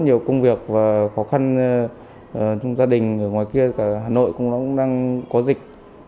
nhiều công việc và khó khăn trong gia đình ở ngoài kia cả hà nội cũng đang có dịch